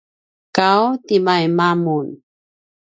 ’aw tiaima mun?